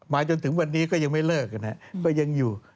จนถึงวันนี้ก็ยังไม่เลิกนะครับก็ยังอยู่